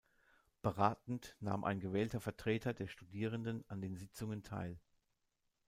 Beratend nahm ein gewählter Vertreter der Studierenden an den Sitzungen teil.